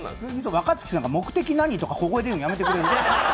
若槻さんが目的何？とか小声で言うのやめてくれる？